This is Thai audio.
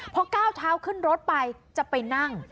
พอก้าวเท้าขึ้นรถไปจะไปนั่ง